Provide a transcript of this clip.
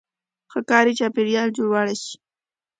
-ښه کاري چاپېریال جوړولای شئ